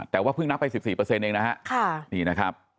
แต่ว่าเพิ่งนับไป๑๔เองนะฮะนี่นะครับ